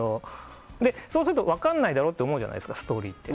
そうすると分からないだろって思うじゃないですかストーリーって。